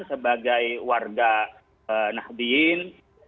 sebagai warga nahdin